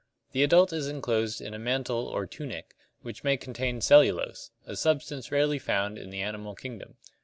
The adult is enclosed in a mantle or "tunic" which may contain cellulose, a substance rarely found in the animal kingdom.